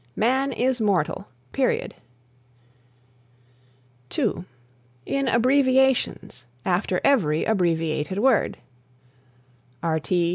"Man is mortal." (2) In abbreviations: after every abbreviated word: Rt.